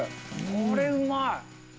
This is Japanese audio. これ、うまい。